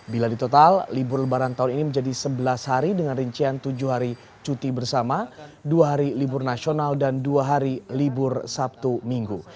bila di total libur lebaran tahun ini menjadi sebelas hari dengan rincian tujuh hari cuti bersama dua hari libur nasional dan dua hari libur sabtu minggu